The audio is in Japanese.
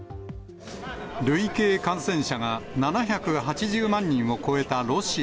累計感染者が７８０万人を超えたロシア。